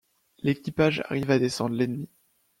L'équipage arrive à descendre l'ennemi.